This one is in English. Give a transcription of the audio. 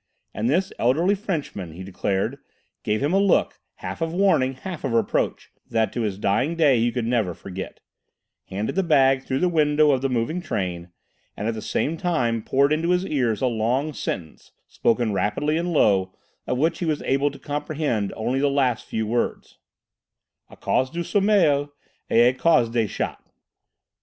And this elderly Frenchman, he declared, gave him a look, half of warning, half of reproach, that to his dying day he could never forget; handed the bag through the window of the moving train; and at the same time poured into his ears a long sentence, spoken rapidly and low, of which he was able to comprehend only the last few words: "à cause du sommeil et à cause des chats."